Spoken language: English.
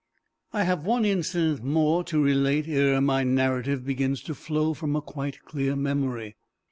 I have one incident more to relate ere my narrative begins to flow from a quite clear memory.